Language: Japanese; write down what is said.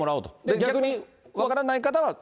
逆に分からない方は。